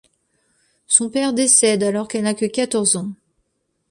Son père décède alors qu'elle n'a que quatorze ans.